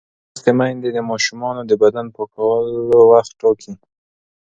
لوستې میندې د ماشومانو د بدن پاکولو وخت ټاکي.